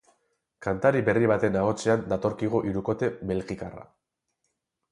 Kantari berri baten ahotsean datorkigu hirukote belgikarra.